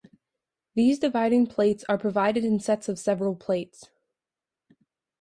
These dividing plates are provided in sets of several plates.